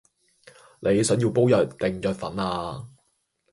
你想要煲藥定藥粉呀